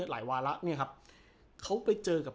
วาระเนี่ยครับเขาไปเจอกับ